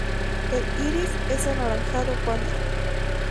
El iris es anaranjado pálido.